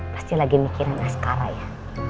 pasti lagi mikirin oskara ya